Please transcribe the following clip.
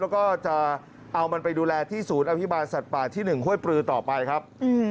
แล้วก็จะเอามันไปดูแลที่ศูนย์อภิบาลสัตว์ป่าที่๑ห้วยปลือต่อไปครับ